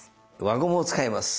輪ゴムを使います。